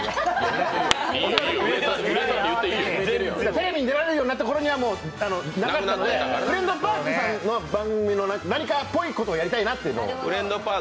テレビに出られるようになったころにはなくなってたので、「フレンドパーク」さんの番組の何かっぽいことをやりたいなというのが。